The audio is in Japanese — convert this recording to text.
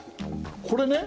これね